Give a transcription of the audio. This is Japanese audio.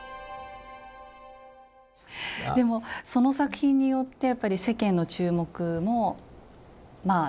でもその作品によってやっぱり世間の注目も高まっていく。